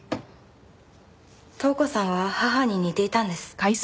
塔子さんは母に似ていたんです。